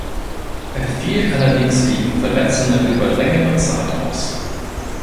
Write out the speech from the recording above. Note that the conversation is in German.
Er fiel allerdings wegen Verletzungen über längere Zeit aus.